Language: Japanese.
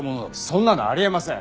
そんなのあり得ません！